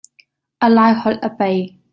A Laiholh a pei.